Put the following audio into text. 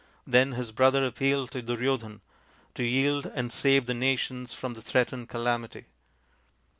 Then his brother appealed to Duryodhan to yield and save the nations from the threatened calamity.